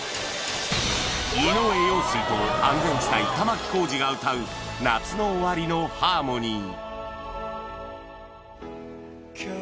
井上陽水と安全地帯玉置浩二が歌う『夏の終りのハーモニー』